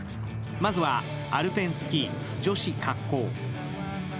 まずは、アルペンスキー女子滑降。